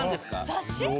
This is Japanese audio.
雑誌？